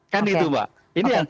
kan itu mbak